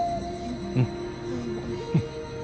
うん。